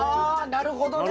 なるほど。